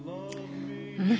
うん。